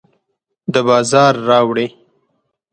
د بازار راوړي